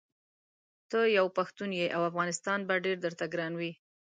ته یو پښتون یې او افغانستان به ډېر درته ګران وي.